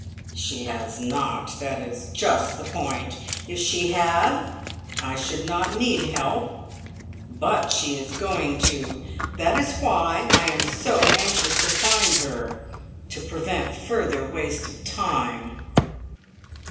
"She has not. That is just the point. If she had, I should not need help. But she is going to! That is why I am so anxious to find her to prevent further waste of time."